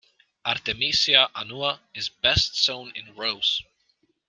"Artemisia annua" is best sown in rows.